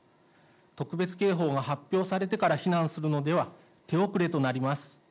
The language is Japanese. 特別警報が発表されてから避難するのでは手遅れとなります。